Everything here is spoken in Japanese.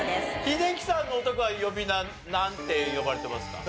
英樹さんのお宅は呼び名なんて呼ばれてますか？